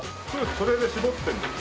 それで絞ってるんです。